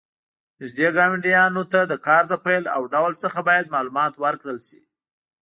نږدې ګاونډیانو ته د کار له پیل او ډول څخه باید معلومات ورکړل شي.